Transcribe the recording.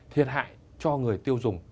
thiệt hại cho người tiêu dụng